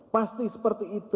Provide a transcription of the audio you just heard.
pasti seperti itu